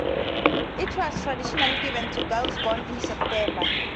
It was traditionally given to girls born in September.